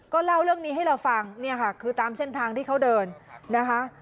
เล่าเรื่องนี้ให้เราฟังเนี่ยค่ะคือตามเส้นทางที่เขาเดินนะคะ